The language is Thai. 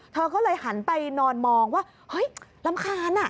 เธอก็เลยหันไปนอนมองว่าเฮ้ยรำคาญ